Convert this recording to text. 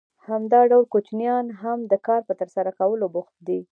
همدا ډول کوچنیان هم د کار په ترسره کولو بوخت دي